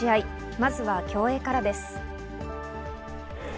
まずは競泳からです。